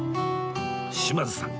島津さん